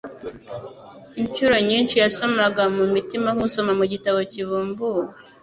Incuro nyinshi yasomaga mu mitima nk'usoma mu gitabo kibumbuwe,